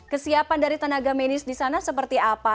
kesiapan dari tenaga medis di sana seperti apa